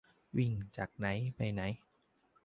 วิ่งจากไหนไปไหน